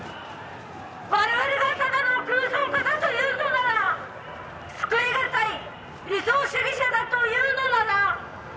「我々がただの空想家だと言うのなら救いがたい理想主義者だと言うのなら」